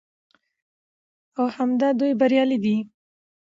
او همدا دوى بريالي دي